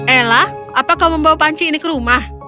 ella apakah membawa panci ini ke rumah